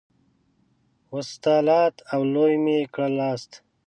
وساتلاست او لوی مي کړلاست.